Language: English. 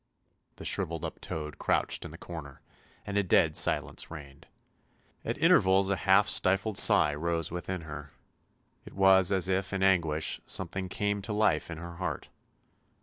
The shrivelled up toad crouched in the corner, and a dead silence reigned. At intervals a half stifled sigh rose within her; it was as if in anguish something came to life in her heart.